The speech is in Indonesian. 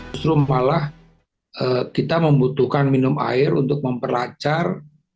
justru malah kita membutuhkan minum air untuk memperlancar